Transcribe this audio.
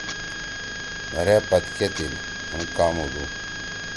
”مھیرے پدکے تیِل، مُھن کام ہُودُو۔“